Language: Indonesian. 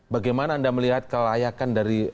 bagaimana anda melihat kelayakan dari